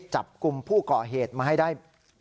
จับกลุ่มผู้ก่อเหตุมาให้ได้